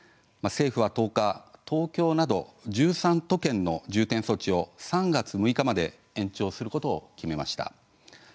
政府は１０日東京など１３都県の重点措置を３月６日まで延長することを決めました。